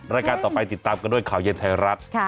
รายการต่อไปติดตามกันด้วยข่าวเย็นไทยรัฐ